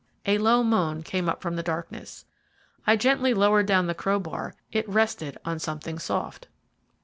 A low moan came up from the darkness. I gently lowered down the crowbar; it rested on something soft.